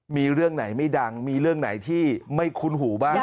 มีเรื่องไหนไม่ดังมีเรื่องไหนที่ไม่คุ้นหูบ้าง